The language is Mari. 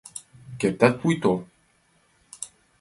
Кертат пуйто?